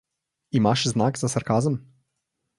Imaš znak za sarkazem?